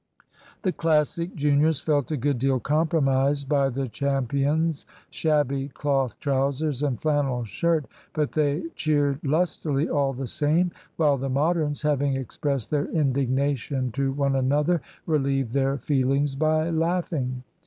The Classic juniors felt a good deal compromised by the champion's shabby cloth trousers and flannel shirt, but they cheered lustily all the same, while the Moderns, having expressed their indignation to one another, relieved their feelings by laughing.